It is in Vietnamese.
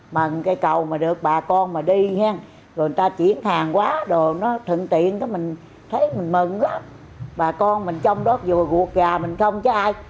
mận cái cầu mà được bà con mà đi rồi người ta chuyển hàng quá đồ nó thận tiện mình thấy mình mận quá bà con mình trong đó vừa gục gà mình không chứ ai